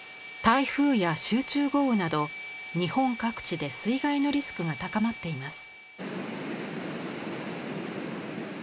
台風や集中豪雨など日本各地で水害のリスクが高まっています。